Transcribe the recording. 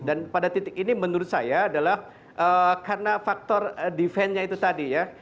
dan pada titik ini menurut saya adalah karena faktor defendnya itu tadi ya